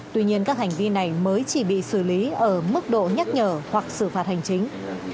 tuy nhiên các hành vi này mới chỉ bị xử lý ở mức độ nhắc nhở hoặc xử phạt hành chính